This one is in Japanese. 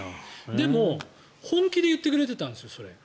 でも、本気で言ってくれてたんですよ、それ。